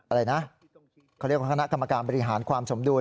อะไรนะเขาเรียกว่าคณะกรรมการบริหารความสมดุล